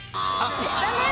残念。